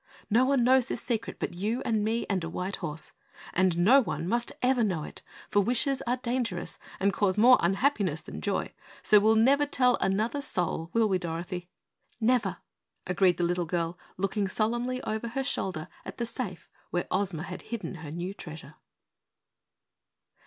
No one knows this secret but you and me and a white horse, and no one must ever know it, for wishes are dangerous and cause more unhappiness than joy, so we'll never tell another soul, will we, Dorothy?" "Never!" agreed the little girl, looking solemnly over her shoulder at the safe where Ozma had hidden her new treasure.